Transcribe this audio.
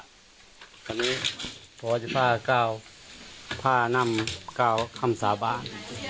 ตอนนี้พ่อจะพ่านำก้าวคำสาบาน